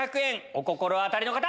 お心当たりの方！